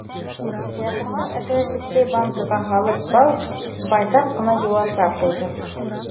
Яҡуптың әсәһе кескәй банкаға һалып бал, байтаҡ ҡына йыуаса ҡуйҙы.